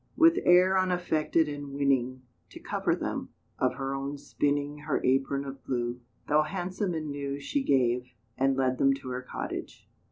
With air unaffected and winning, To cover them, of her own spinning Her apron of blue, Though handsome and new, She gave, and led them to her cottage.